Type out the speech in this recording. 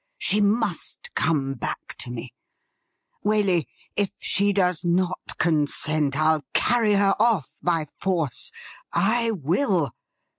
She must come back to me. Waley, if she does not consent, I'll carry her off by force ! I will